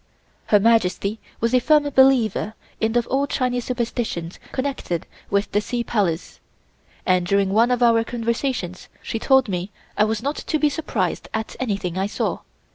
Her Majesty was a firm believer in the old Chinese superstitions connected with the Sea Palace, and during one of our conversations she told me I was not to be surprised at anything I saw.